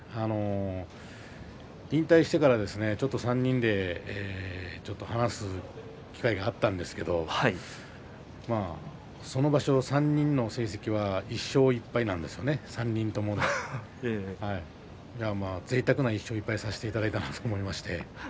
引退してから３人で話す機会があったんですけどもその場所、３人の成績は１勝１敗なんですね、３人ともぜいたくな１勝１敗をさせていただいたと思いました。